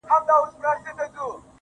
زړه راته زخم کړه، زارۍ کومه~